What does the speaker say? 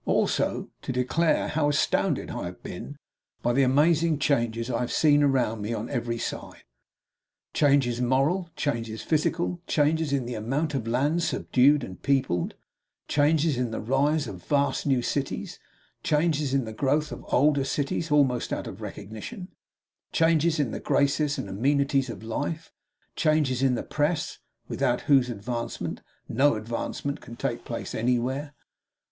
Also, to declare how astounded I have been by the amazing changes I have seen around me on every side changes moral, changes physical, changes in the amount of land subdued and peopled, changes in the rise of vast new cities, changes in the growth of older cities almost out of recognition, changes in the graces and amenities of life, changes in the Press, without whose advancement no advancement can take place anywhere.